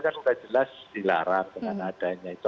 kan sudah jelas dilarang dengan adanya itu